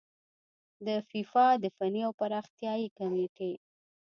د فیفا د فني او پراختیايي کميټې